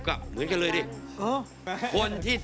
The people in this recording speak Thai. ก็เหมือนกันเลยดิ